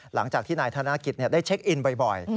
หลังจากที่นายธนกิจได้เช็คอินบ่อย